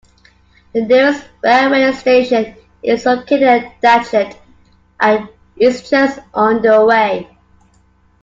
The nearest railway station is located at Datchet and is just under away.